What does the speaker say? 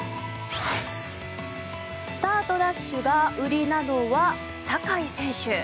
スタートダッシュが売りなのが坂井選手。